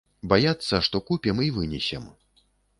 Баяцца, што купім і вынесем.